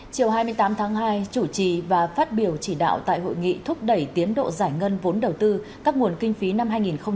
chiều hai mươi tám tháng hai chủ trì và phát biểu chỉ đạo tại hội nghị thúc đẩy tiến độ giải ngân vốn đầu tư các nguồn kinh phí năm hai nghìn hai mươi